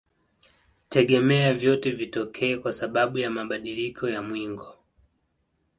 Tegemea vyote vitokee kwa sababu ya mabadiliko ya mwingo